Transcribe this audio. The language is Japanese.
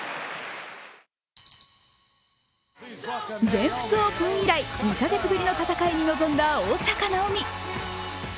全仏オープン以来２カ月ぶりの戦いに臨んだ大坂なおみ。